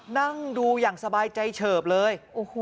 นั่งดูอย่างสบายใจเฉิบเลย